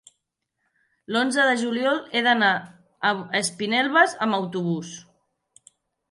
l'onze de juliol he d'anar a Espinelves amb autobús.